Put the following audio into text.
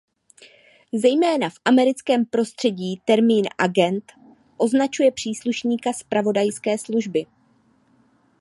Zejména v americkém prostředí termín "agent" označuje příslušníka zpravodajské služby.